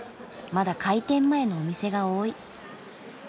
まだ開店前のお店が多い。